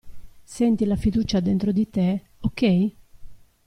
Senti la fiducia dentro di te, ok?